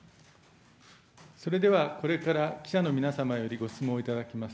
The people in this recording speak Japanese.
それではこれから記者の皆様よりご質問をいただきます。